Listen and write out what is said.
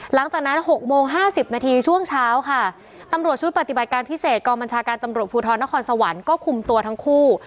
หลังจากนั้น๖โมง๕๐นาทีช่วงเช้าค่ะตำรวจชุดปฏิบัติการพิเศษกองบัญชาการตำรวจภูทรนครสวรรค์ก็คุมตัวทั้งคู่